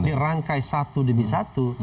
dirangkai satu demi satu